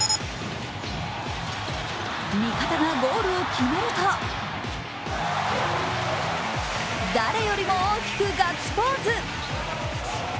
味方がゴールを決めると誰よりも大きくガッツポーズ。